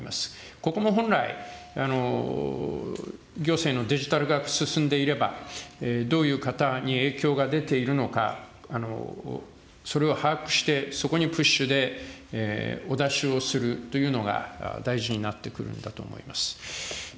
ここも本来、行政のデジタル化が進んでいれば、どういう方に影響が出ているのか、それを把握して、そこにプッシュでお出しをするというのが大事になってくるんだと思います。